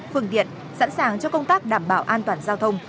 phương tiện sẵn sàng cho công tác đảm bảo an toàn giao thông